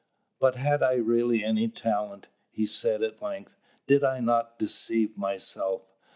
"But had I really any talent?" he said at length: "did not I deceive myself?"